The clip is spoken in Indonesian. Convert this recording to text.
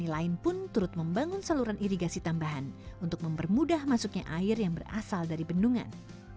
selain itu bendungan waiskampung juga membangun saluran irigasi tambahan untuk mempermudah masuknya air yang berasal dari bendungan